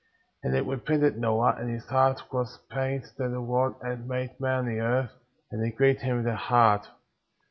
And it repented Noah,^ and his heart was pained that the Lord had made man on the earth, and it grieved him at the heart.